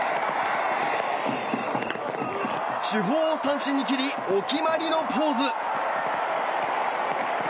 主砲を三振に切りお決まりのポーズ！